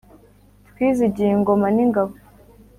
twizigiye ingoma n'ingabo